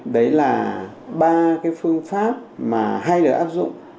đây là ba phương pháp mà hay được áp dụng